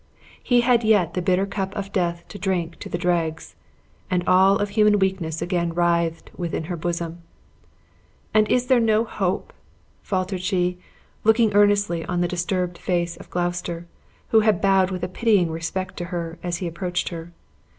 He had yet the bitter cup of death to drink to the dregs; and all of human weakness again writhed within her bosom. "And is there no hope?" faltered she, looking earnestly on the disturbed face of Gloucester, who had bowed with a pitying respect to her as he approached her.